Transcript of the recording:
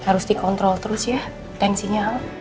harus dikontrol terus ya tensinya